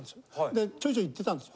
でちょいちょい行ってたんです。